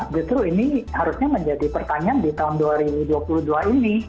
justru ini harusnya menjadi pertanyaan di tahun dua ribu dua puluh dua ini